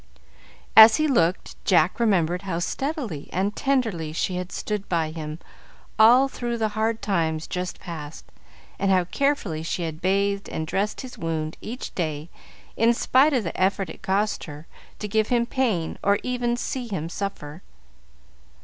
As he looked, Jack remembered how steadily and tenderly she had stood by him all through the hard times just past, and how carefully she had bathed and dressed his wound each day in spite of the effort it cost her to give him pain or even see him suffer.